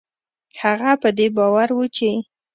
هغه په دې باور و چې